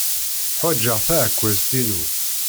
Ḥwajeɣ taɛekkazt-inu.